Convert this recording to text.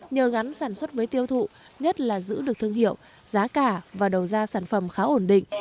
nhờ gắn sản xuất với tiêu thụ nhất là giữ được thương hiệu giá cả và đầu ra sản phẩm khá ổn định